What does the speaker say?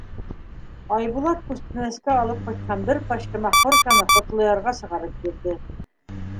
Айбулат күстәнәскә алып ҡайтҡан бер пачка махорканы Ҡотлоярға сығарып бирҙе.